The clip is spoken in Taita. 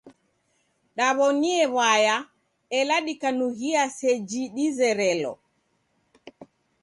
Dew'oniee w'aya ela dikanughia seji dizerelo.